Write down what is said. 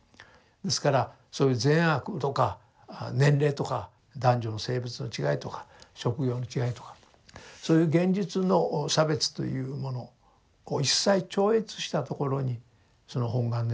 ですからそういう善悪とか年齢とか男女の性別の違いとか職業の違いとかそういう現実の差別というものを一切超越したところにその本願念仏というのは成立していると。